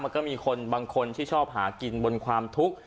มันก็มีคนบางคนที่ชอบหากินบนความทุกข์